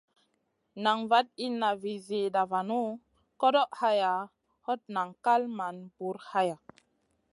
Nan vaɗ inna vi zida vanu, koɗoʼ hayaʼa, hot nan kal man bur haya.